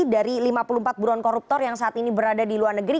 dari lima puluh empat buruan koruptor yang saat ini berada di luar negeri